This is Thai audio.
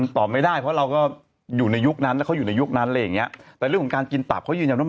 ตอบไม่ได้เพราะเราก็อยู่ในยุคนั้นเขาอยู่ในยุคนั้นแต่เรื่องของการกินตับเขายืนยังว่า